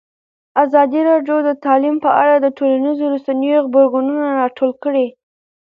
ازادي راډیو د تعلیم په اړه د ټولنیزو رسنیو غبرګونونه راټول کړي.